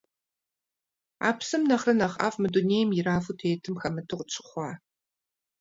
А псым нэхърэ нэхъ ӀэфӀ мы дунейм ирафу тетым хэмыту къытщыхъуащ.